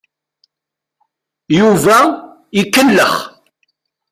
Yuba ikellex.